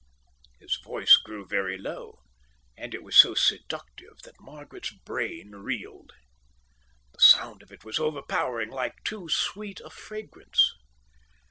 His voice grew very low, and it was so seductive that Margaret's brain reeled. The sound of it was overpowering like too sweet a fragrance.